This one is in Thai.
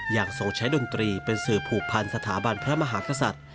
ทรงใช้ดนตรีเป็นสื่อผูกพันสถาบันพระมหากษัตริย์